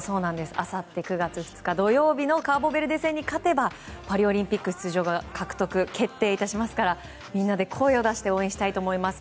あさって９月２日、土曜日のカーボベルデ戦に勝てばパリオリンピック出場が獲得決定いたしますからみんなで声を出して応援しましょう。